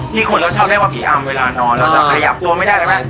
คนเราชอบเรียกว่าผีอำเวลานอนเราจะขยับตัวไม่ได้เลยไหม